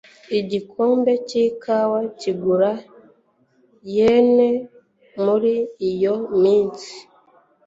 Igikombe cyikawa kigura yen muri iyo minsi